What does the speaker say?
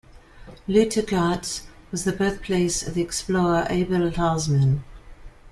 Lutjegast was the birthplace of the explorer Abel Tasman.